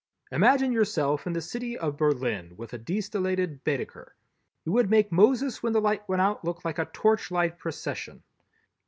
Imagine yourself in the city of Berlin with a de stellated Baedeker. You would make Moses when the light went out look like a torchlight procession!